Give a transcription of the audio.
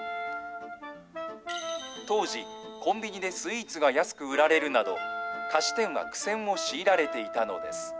当時、コンビニでスイーツが安く売られるなど、菓子店は苦戦を強いられていたのです。